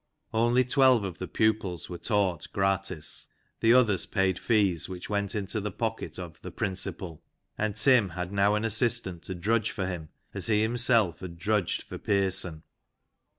Only twelve of the pupils were taught gratis — the others paid fees which went into the pocket of "the principal/' and Tim had now an assistant to drudge for him as he himself had drudged for Pearson.